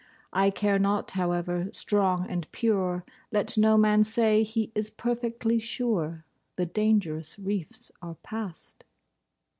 I care not however strong and pure— Let no man say he is perfectly sure The dangerous reefs are past.